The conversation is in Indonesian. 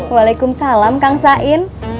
waalaikumsalam kang sain